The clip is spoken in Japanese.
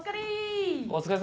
お疲れ。